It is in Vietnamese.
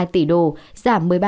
ba mươi hai triệu mũi